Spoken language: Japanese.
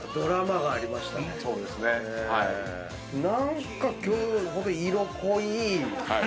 何か今日ホント色濃い。